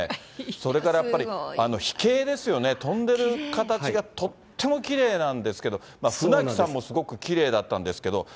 それからやっぱり、飛型ですよね、飛んでる形がとってもきれいなんですけれども、船木さんもすごくきれいだったんですけど。